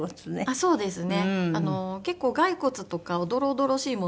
そうですね。